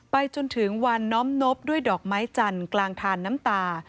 จนถึงวันน้อมนบด้วยดอกไม้จันทร์กลางทานน้ำตา